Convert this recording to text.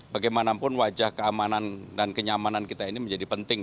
bagaimanapun wajah keamanan dan kenyamanan kita ini menjadi penting